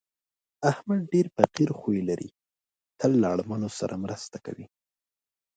احمد ډېر فقیر خوی لري، تل له اړمنو سره مرسته کوي.